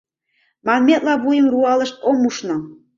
Манметла, вуйым руалышт — ом ушно!..